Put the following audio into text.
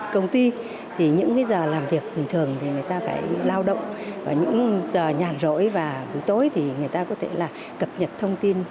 công ty thì những giờ làm việc bình thường thì người ta phải lao động vào những giờ nhàn rỗi và buổi tối thì người ta có thể là cập nhật thông tin